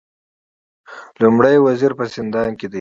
لومړی وزیر په زندان کې دی